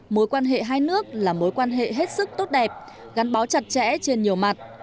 mối quan hệ hai nước là mối quan hệ hết sức tốt đẹp gắn bó chặt chẽ trên nhiều mặt